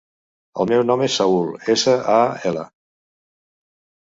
El meu nom és Saül: essa, a, ela.